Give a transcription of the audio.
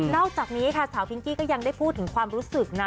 อกจากนี้ค่ะสาวพิงกี้ก็ยังได้พูดถึงความรู้สึกนะ